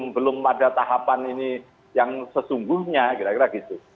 belum pada tahapan ini yang sesungguhnya kira kira gitu